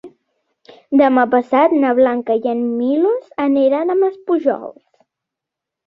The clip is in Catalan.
Demà passat na Blanca i en Milos aniran a Maspujols.